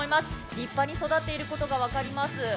立派に育っていることが分かります。